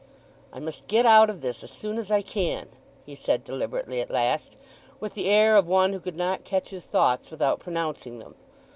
"I must get out of this as soon as I can," he said deliberately at last, with the air of one who could not catch his thoughts without pronouncing them.